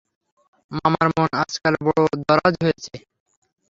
মামার মন আজকাল বড় দরাজ হয়েছে।